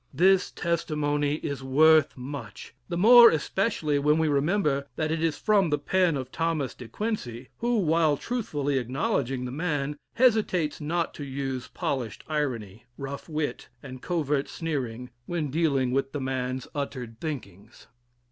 This testimony is worth much, the more especially when we remember that it is from the pen of Thomas de Quincey, who, while truthfully acknowledging the man, hesitates not to use polished irony, rough wit, and covert sneering, when dealing with the man's uttered thinkings.